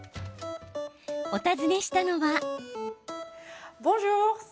お訪ねしたのは。